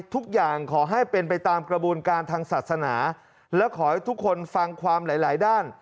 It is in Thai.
ขอให้เป็นไปตามกระบวนการทางศาสนาและขอให้ทุกคนฟังความหลายหลายด้าน